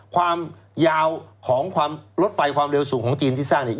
ความยาวของความรถไฟความเร็วสูงของจีนที่สร้างเนี่ย